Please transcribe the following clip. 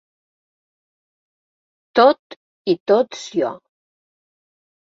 Tot i tots jo.